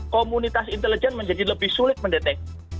komunitas intelijen menjadi lebih sulit mendeteksi